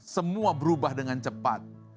semua berubah dengan cepat